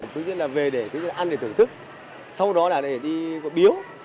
thứ nhất là về để ăn để thưởng thức sau đó là để đi biếu